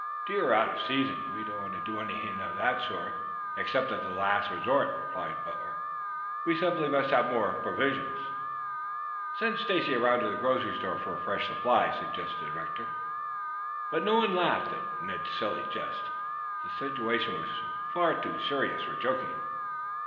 "Deer are out of season. We don't want to do anything of that sort, except as a last resort," replied Butler. "We simply must have some more provisions." "Send Stacy around to the corner grocery for a fresh supply," suggested Rector. No one laughed at Ned's silly jest. Their situation was too serious for joking.